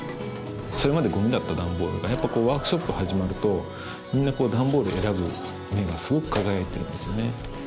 それまでゴミだった段ボールがやっぱワークショップ始まるとみんな段ボール選ぶ目がすごく輝いてるんですよね。